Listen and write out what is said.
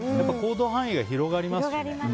行動範囲が広がりますよね。